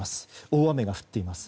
大雨が降っています。